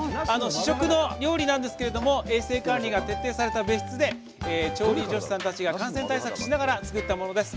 試食の料理なんですけれども衛生管理が徹底された別室で調理助手さんたちが感染対策しながら作ったものです。